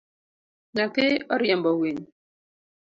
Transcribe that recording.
Nyathi oriembo winy